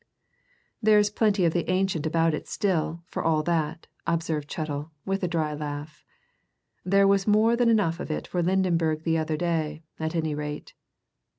"There's plenty of the ancient about it still, for all that," observed Chettle, with a dry laugh. "There was more than enough of it for Lydenberg the other day, at any rate.